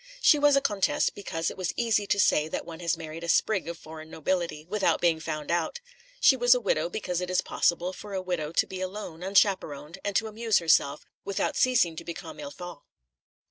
She was a Comtesse because it is easy to say that one has married a sprig of foreign nobility, without being found out; she was a widow because it is possible for a widow to be alone, unchaperoned, and to amuse herself without ceasing to be comme il faut.